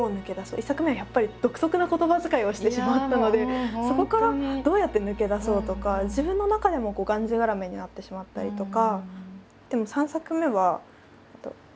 １作目はやっぱり独特な言葉遣いをしてしまったのでそこからどうやって抜け出そうとか自分の中でもがんじがらめになってしまったりとか。